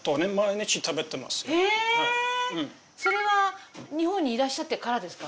それは日本にいらっしゃってからですか？